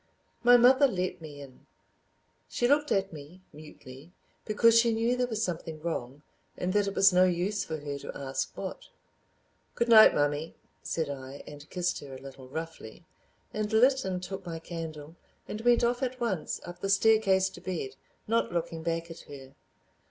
.. My mother let me in. She looked at me, mutely, because she knew there was something wrong and that it was no use for her to ask what. "Good night, mummy," said I, and kissed her a little roughly, and lit and took my candle and went off at once up the staircase to bed, not looking back at her.